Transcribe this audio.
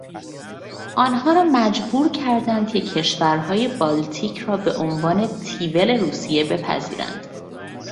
آنها را مجبور کردند که کشورهای بالتیک را به عنوان تیول روسیه بپذیرند.